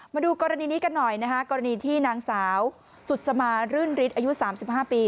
มาดูกรณีนี้กันหน่อยนะคะกรณีที่นางสาวสุดสมารื่นฤทธิ์อายุ๓๕ปี